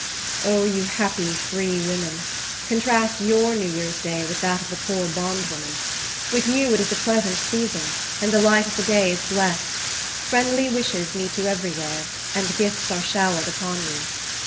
O, you happy free women, contrast your New Year's day with that of the poor bondwoman! With you it is a pleasant season, and the light of the day is blessed. Friendly wishes meet you every where, and gifts are showered upon you.